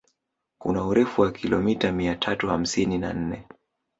Kuna urefu wa kilomita mia tatu hamsini na nne